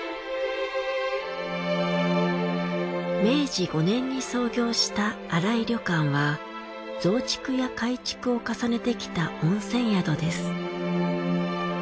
明治５年に創業した新井旅館は増築や改築を重ねてきた温泉宿です。